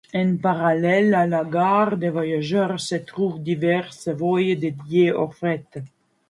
En parallèle à la gare de voyageurs se trouvent diverses voies dédiées au fret.